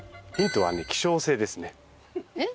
えっ？